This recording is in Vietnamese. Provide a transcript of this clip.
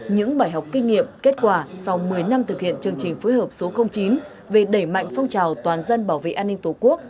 những bài học kinh nghiệm kết quả sau một mươi năm thực hiện chương trình phối hợp số chín về đẩy mạnh phong trào toàn dân bảo vệ an ninh tổ quốc